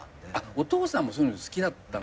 お父さんもそういうの好きだったのか。